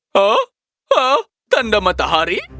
hah hah tanda matahari